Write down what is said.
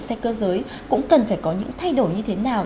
xe cơ giới cũng cần phải có những thay đổi như thế nào